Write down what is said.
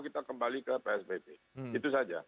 kita kembali ke psbb itu saja